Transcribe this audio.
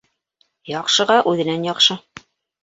Яҡшыға үҙенән яҡшы